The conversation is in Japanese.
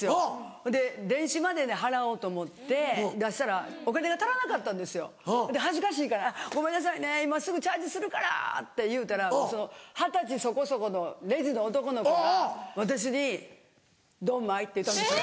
ほんで電子マネーで払おうと思って出したらお金が足らなかったんですよで恥ずかしいから「ごめんなさいね今すぐチャージするから」って言うたら二十歳そこそこのレジの男の子が私に「ドンマイ」って言ったんですよ。